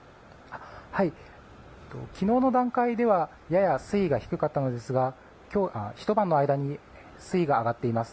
昨日の段階ではやや水位が低かったのですがひと晩の間に水位が上がっています。